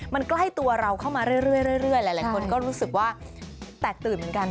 มันใกล้ตัวเราเข้ามาเรื่อยหลายคนก็รู้สึกว่าแตกตื่นเหมือนกัน